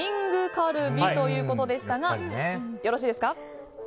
カルビということでしたがよろしいですか。